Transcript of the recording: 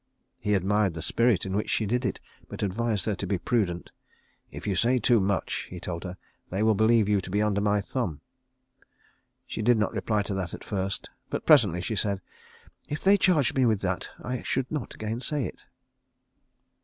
He admired the spirit in which she did it, but advised her to be prudent. "If you say too much," he told her, "they will believe you to be under my thumb." She did not reply to that at first; but presently she said, "If they charged me with that I should not gainsay it."